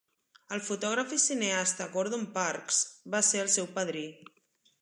El fotògraf i cineasta Gordon Parks va ser el seu padrí.